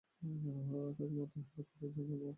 তাকে মাথায় আঘাত করে হত্যা করা হয়েছে বলে ধারণা করা হচ্ছে।